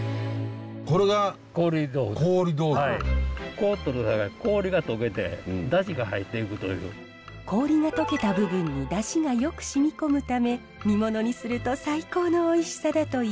凍っとるさかい氷が溶けた部分に出汁が良くしみ込むため煮物にすると最高のおいしさだといいます。